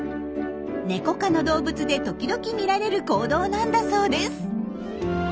ネコ科の動物で時々見られる行動なんだそうです。